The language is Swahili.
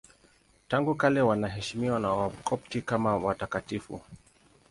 Tangu kale wanaheshimiwa na Wakopti kama watakatifu.